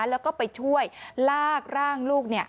แล้วก็ไปช่วยลากร่างลูก